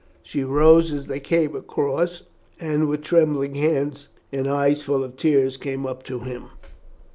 She rose as they came across, and with trembling hands and eyes full of tears, came up to him.